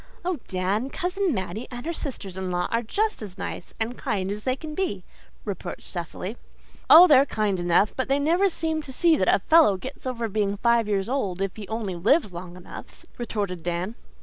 "Oh, Dan, Cousin Mattie and her sisters in law are just as nice and kind as they can be," reproached Cecily. "Oh, they're kind enough, but they never seem to see that a fellow gets over being five years old if he only lives long enough," retorted Dan.